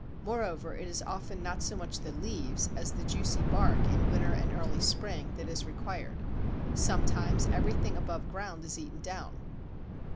Moreover it is often not so much the leaves as the juicy bark in winter and early spring that is required. Sometimes everything above ground is eaten down.